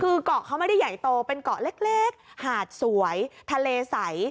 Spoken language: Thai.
คือเกาะเขาไม่ได้ใหญ่โตเป็นเกาะเล็กหาดสวยทะเลใส